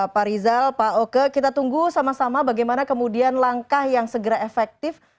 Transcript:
pak rizal pak oke kita tunggu sama sama bagaimana kemudian langkah yang segera efektif